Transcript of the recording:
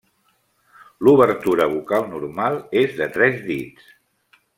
L'obertura bucal normal és de tres dits.